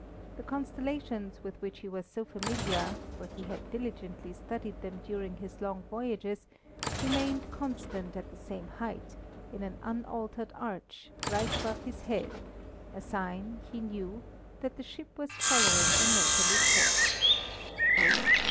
The constellations with which he was so familiar, for he had diligently studied them during his long voyages, remained constant at the same height, in an unaltered arch, right above his head, a sign, he knew, that the ship was following a northerly course.